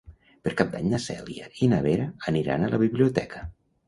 Per Cap d'Any na Cèlia i na Vera aniran a la biblioteca.